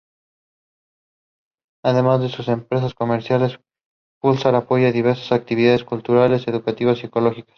Además de sus empresas comerciales, Pulsar apoya diversas actividades culturales, educativas y ecológicas.